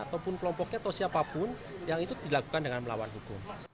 ataupun kelompoknya atau siapapun yang itu dilakukan dengan melawan hukum